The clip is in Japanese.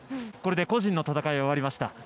これで個人の戦いは終わりました。